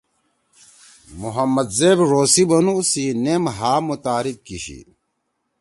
محمد زیب ڙو سی بنُو سی نیم ہآ متعارف کیِشی۔